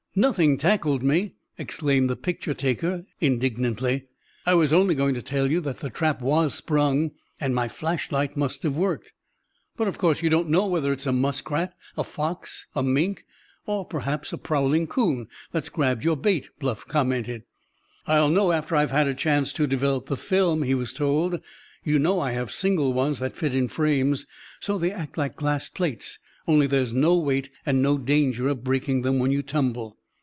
"Nothing tackled me!" exclaimed the picture taker indignantly. "I was only going to tell you that the trap was sprung and my flashlight must have worked." "But of course you don't know whether it was a muskrat, a fox, a mink, or perhaps a prowling 'coon that grabbed your bait," Bluff commented. "I'll know after I've had a chance to develop the film," he was told. "You know I have single ones that fit in frames, so they act like glass plates; only there's no weight, and no danger of breaking them when you tumble."